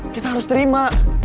kita harus terima